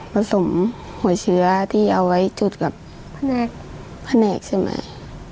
ผสมหัวเชื้อที่เอาไว้จุดกับแผนกใช่ไหม